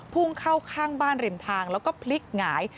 พุ่งเข้าข้างบ้านริมทางแล้วก็พลิกหงาย